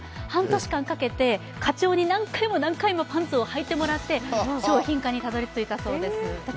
半年間かけて課長に何回もパンツをはいてもらって商品化にたどり着いたそうです。